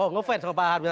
oh ngefans sama pak hamzah